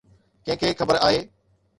ڪنهن کي خبر آهي.